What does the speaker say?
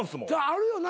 あるよな？